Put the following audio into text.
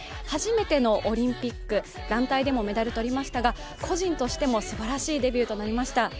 初めてのオリンピック、団体でもメダルを取りましたが個人としてもすばらしいデビューとなりました。